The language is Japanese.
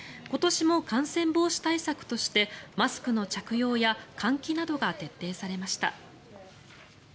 今年も感染防止対策としてマスクの着用や換気などが徹底されました。